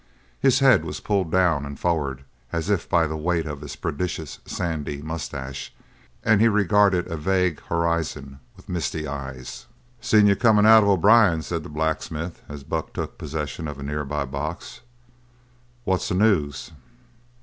His head was pulled down and forward as if by the weight of his prodigious sandy moustache, and he regarded a vague horizon with misty eyes. "Seen you comin' out of O'Brien's," said the blacksmith, as Buck took possession of a nearby box. "What's the news?"